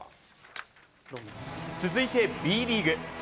続いてＢリーグ。